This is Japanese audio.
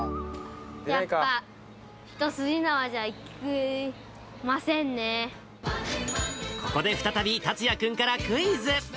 やっぱ、ここで再び達哉君からクイズ。